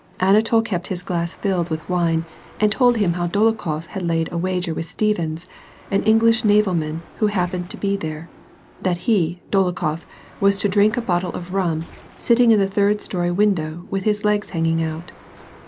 Anatol kept his glass filled with wine and told him how Dolokhof had laid a wager with Stevens, an English naval man who happened to be there, that he, Dolokhof, was to drink a bottle of rum, sit ting in the third story window with his legs hanging out.